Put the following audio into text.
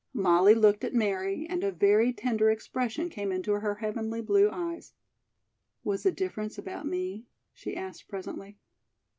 Molly looked at Mary and a very tender expression came into her heavenly blue eyes. "Was the difference about me?" she asked presently.